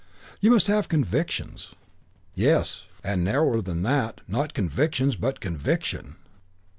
You must have convictions. Yes, and narrower than that, not convictions but conviction.